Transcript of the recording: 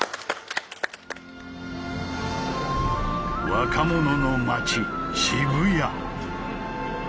若者の街渋谷。